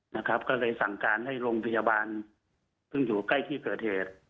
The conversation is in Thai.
นะครับก็เลยสั่งการให้โรงพยาบาลซึ่งอยู่ใกล้ที่เกิดเหตุ